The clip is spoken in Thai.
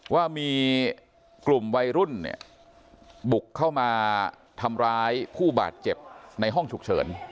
ว่ามีกลุ่มวัยรุ่นเนี่ยบุกเข้ามาทำร้ายผู้บาดเจ็บในห้องฉุกเฉิน